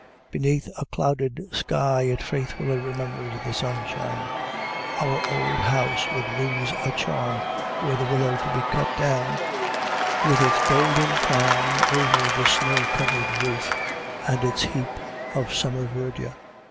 Beneath a clouded sky it faithfully remembers the sunshine. Our old house would lose a charm were the willow to be cut down, with its golden crown over the snow covered roof, and its heap of summer verdure.